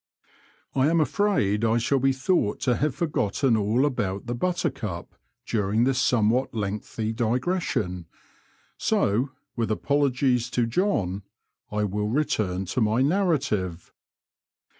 I am afraid I shall be thought to have forgotten all about the Buttercup during this somewhat lengthy digression, so, with apologies to John, I will return to my narrative.